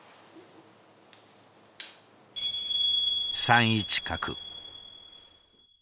３一角。